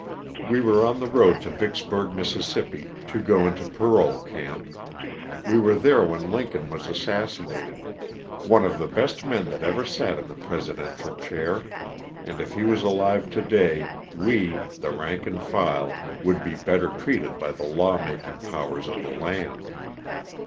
We were on the road to Vicksburg, Miss., to go into parole camp. We were there when Lincoln was assassi nated (one of the best men that ever sat in the presi dential chair, and if he was alive today we, the rank and file, would be better treated by the law making powers of the land).